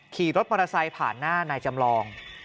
ขี่รถมอเตอร์ไซค์ผ่านหน้านายจำลอง